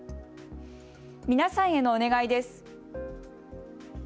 皆さんへのお願いです。